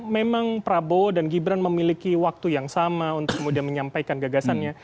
memang prabowo dan gibran memiliki waktu yang sama untuk kemudian menyampaikan gagasannya